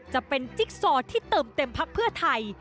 จะเป็นจิ๊กซอที่เติมเต็มพักเพื่อไทย